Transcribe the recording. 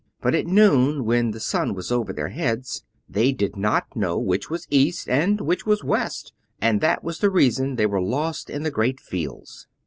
But at noon, when the sun was over their heads, they did not know which was east and which was west, and that was the reason they were lost in the great fields.